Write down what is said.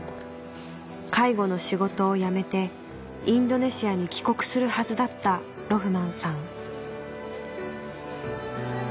介護の仕事を辞めてインドネシアに帰国するはずだったロフマンさん